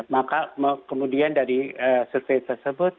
maka kemudian dari survei tersebut